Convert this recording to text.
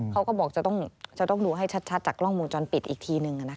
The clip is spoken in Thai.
เขาก็บอกจะต้องดูให้ชัดจากกล้องวงจรปิดอีกทีนึง